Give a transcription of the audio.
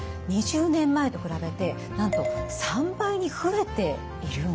２０年前と比べてなんと３倍に増えているんです。